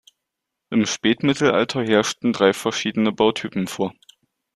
Im Spätmittelalter herrschten drei verschiedene Bautypen vor.